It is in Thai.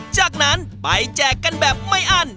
จากนั้นไปแจกกันแบบไม่อั้น